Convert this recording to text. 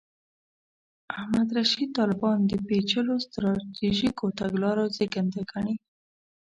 احمد رشید طالبان د پېچلو سټراټیژیکو تګلارو زېږنده ګڼي.